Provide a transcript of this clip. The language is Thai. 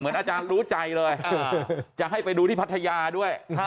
อาจารย์รู้ใจเลยจะให้ไปดูที่พัทยาด้วย